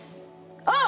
あっ！